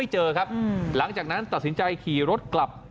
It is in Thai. เจอครับหลังจากนั้นตัดสินใจขี่รถกลับ